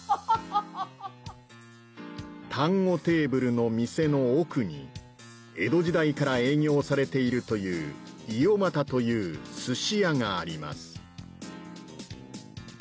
丹後テーブルの店の奥に江戸時代から営業されているという「伊豫又」という寿司屋があります